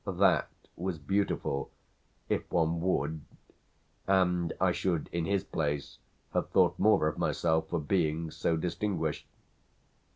That was beautiful, if one would, and I should in his place have thought more of myself for being so distinguished.